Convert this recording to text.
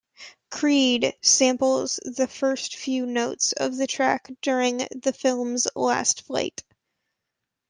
"Creed" samples the first few notes of the track during the film's last fight.